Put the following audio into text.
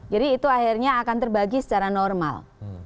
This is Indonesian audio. jadi itu akhirnya akan terbagi secara normal